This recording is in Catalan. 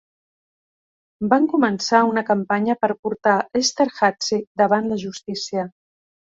Van començar una campanya per portar Esterhazy davant la justícia.